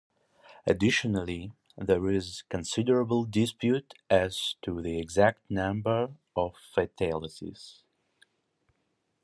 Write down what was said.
Additionally, there is considerable dispute as to the exact number of fatalities.